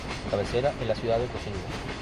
Su cabecera es la ciudad de Ocosingo.